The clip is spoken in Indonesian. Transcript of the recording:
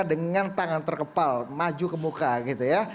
dengan tangan terkepal maju ke muka gitu ya